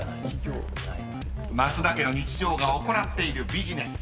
［マツダ家の日常が行っているビジネス。